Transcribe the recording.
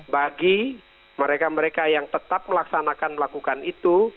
bagi mereka mereka yang tetap melaksanakan melakukan itu